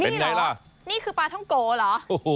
นี่หรอนี่คือปลาท่องโกเหรอ